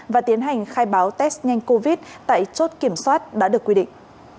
và tiến hành khai báo test nhanh covid tại chốt kiểm soát đã được quy định